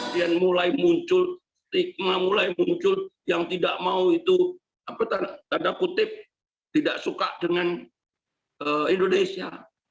dan mulai muncul stigma mulai muncul yang tidak mau itu apa tanda tanda kutip tidak suka dengan indonesia